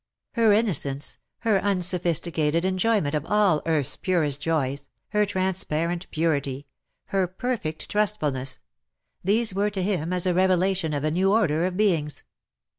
Her innocence, her unsophisticated enjoyment of all earth's purest joys, her transparent purity, her perfect trustfulness — these were to him as a revelation of a new order of beings.